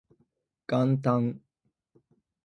元旦